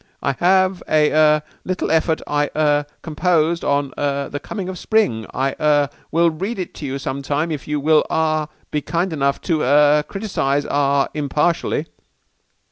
I have a er little effort I er composed on er the Coming of Spring I er will read to you some time if you will ah be kind enough to er criticise ah impartially."